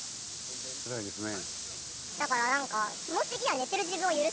つらいですね。